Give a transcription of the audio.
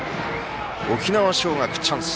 沖縄尚学、チャンス。